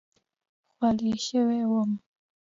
خولې شوی وم.